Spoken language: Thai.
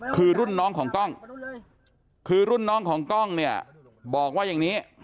คือรุ่นน้องของกล้องคือรุ่นน้องของกล้องเนี่ยบอกว่าอย่างนี้